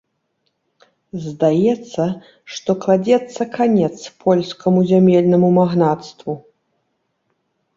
Здаецца, што кладзецца канец польскаму зямельнаму магнацтву.